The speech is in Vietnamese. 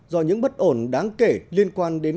do những bất ổn đáng kể liên quan đến